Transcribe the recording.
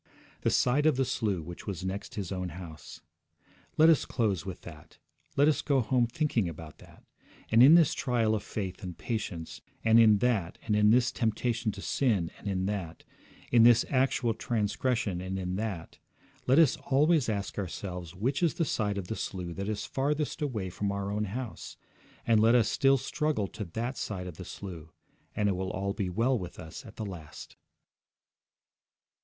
'The side of the slough which was next his own house.' Let us close with that. Let us go home thinking about that. And in this trial of faith and patience, and in that, in this temptation to sin, and in that, in this actual transgression, and in that, let us always ask ourselves which is the side of the slough that is farthest away from our own house, and let us still struggle to that side of the slough, and it will all be well with us at the last.